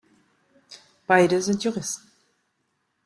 Beide sind Juristen.